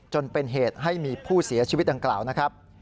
จนเป็นเหตุให้มีผู้เสียชีวิตดังกล่าวนะครับ